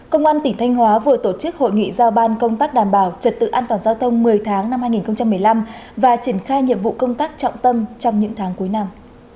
công an tỉnh thanh hóa vừa tổ chức hội nghị giao ban công tác đảm bảo trật tự an toàn giao thông một mươi tháng năm hai nghìn một mươi năm và triển khai nhiệm vụ công tác trọng tâm trong những tháng cuối năm